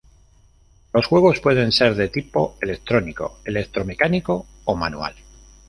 Los juegos pueden ser de tipo: electrónico, electromecánico o manual.